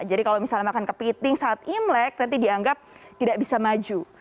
jadi kalau misalnya makan kepiting saat imlek nanti dianggap tidak bisa maju